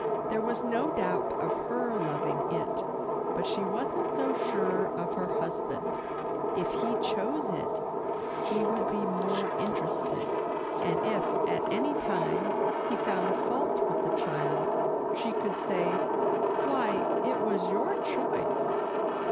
There was no doubt of her loving it, but she wasn't so sure of her husband. If he chose it, he would be more interested, and if at any time he found fault with the child, she could say, "Why, it was your choice."